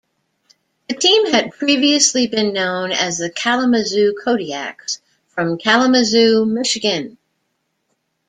The team had previously been known as the Kalamazoo Kodiaks, from Kalamazoo, Michigan.